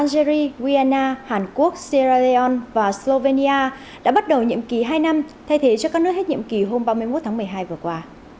algeria gyana hàn quốc sierra leon và slovenia đã bắt đầu nhiệm kỳ hai năm thay thế cho các nước hết nhiệm kỳ hôm ba mươi một tháng một mươi hai vừa qua